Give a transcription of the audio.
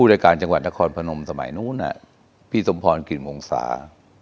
รายการจังหวัดนครพนมสมัยนู้นพี่สมพรกลิ่นวงศา